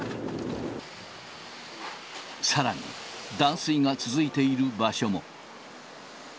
さらに、断水が続いている場所も。